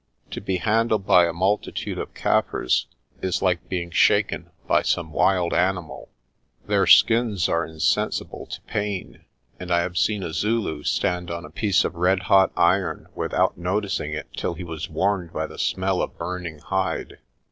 To be handled by a multitude of Kaffirs is like being shaken by some wild animal. Their skins are insensible to pain, and I have seen a Zulu stand on a piece of redhot iron without noticing it till he was warned by the smell of burning hide.